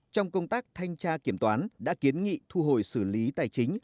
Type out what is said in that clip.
trong công tác thanh tra kiểm toán đã kiến nghị thu hồi xử lý tài chính